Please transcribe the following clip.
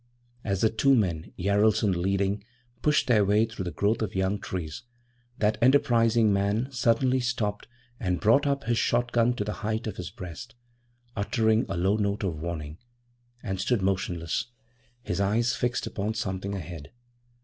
As the two men, Jaralson leading, pushed their way through the growth of young trees, that enterprising man suddenly stopped and brought up his shotgun to the height of his breast, uttered a low note of warning, and stood motionless, his eyes fixed upon something ahead.